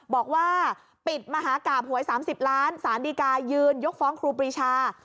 บอกว่าปิดมหากราบหวย๓๐ล้านสารดีกายืนยกฟ้องครูปรีชา